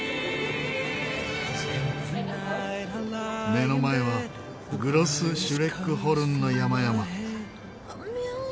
目の前はグロス・シュレックホルンの山々。